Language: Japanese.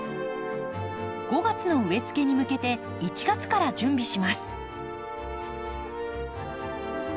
５月の植えつけに向けて１月から準備します。